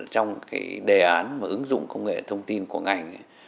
trong đề án mà ứng dụng công nghệ thông tin của ngành